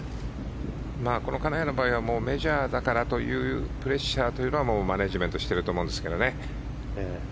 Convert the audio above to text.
この金谷の場合はメジャーだからという理由でプレッシャーはマネジメントしてると思うんですけどね。